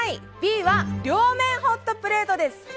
Ｂは両面ホットプレートです。